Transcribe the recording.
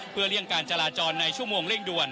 เพื่อเลี่ยงการจราจรในชั่วโมงเร่งด่วน